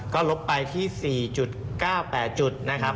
ก็ลบไปที่๔๙๘จุดนะครับ